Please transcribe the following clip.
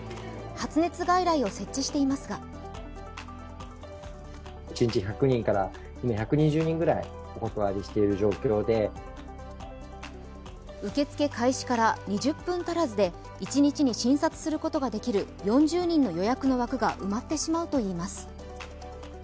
発熱外来を設置していますが受け付け開始から２０分足らずで、一日に診察することができる４０人の予約の枠が埋まってしまうといいます。